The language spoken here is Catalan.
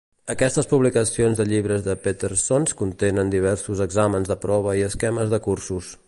Aquestes publicacions de llibres de Peterson's contenen diversos exàmens de prova i esquemes de cursos.